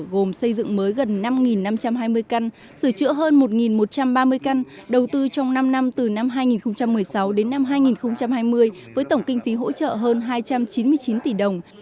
gồm xây dựng mới gần năm năm trăm hai mươi căn sửa chữa hơn một một trăm ba mươi căn đầu tư trong năm năm từ năm hai nghìn một mươi sáu đến năm hai nghìn hai mươi với tổng kinh phí hỗ trợ hơn hai trăm chín mươi chín tỷ đồng